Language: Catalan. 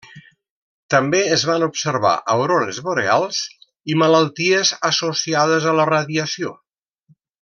També es van observar aurores boreals i malalties associades a la radiació.